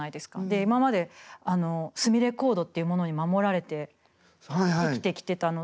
で今まですみれコードっていうものに守られて生きてきてたので。